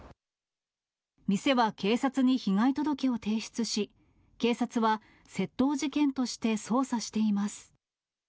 店は警察に被害届を提出し、警察は窃盗事件として捜査しています。